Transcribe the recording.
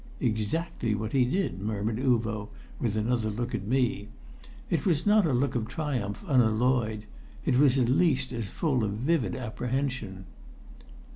'" "Exactly what he did," murmured Uvo, with another look at me. It was not a look of triumph unalloyed; it was at least as full of vivid apprehension.